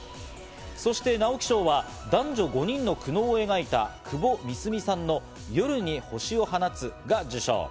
そして直木賞は男女５人の苦悩を描いた窪美澄さんの『夜に星を放つ』が受賞。